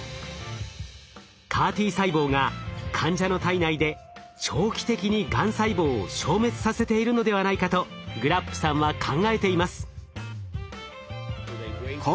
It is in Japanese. ＣＡＲ−Ｔ細胞が患者の体内で長期的にがん細胞を消滅させているのではないかとグラップさんは考えています。